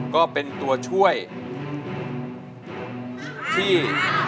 ก็เป็นตัวช่วยที่